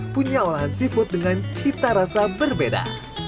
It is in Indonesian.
punya olahan seafood dengan cita rasa berbeda